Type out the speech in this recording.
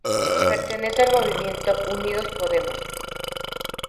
Pertenece al Movimiento Unidos Podemos.